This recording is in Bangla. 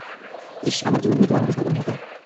ইশশ, আমার জীবন যদি তোমার মতো সাধারণ হতো?